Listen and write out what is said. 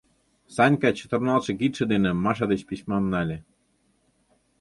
Санька чытырналтше кидше дене Маша деч письмам нале.